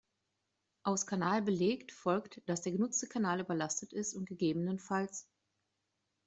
Aus „Kanal belegt“ folgt, dass der genutzte Kanal überlastet ist und ggf.